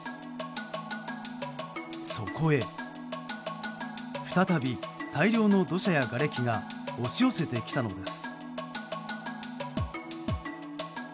そこへ再び大量の土砂やがれきが押し寄せてきたのです。